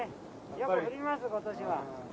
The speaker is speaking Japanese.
よく降ります今年は。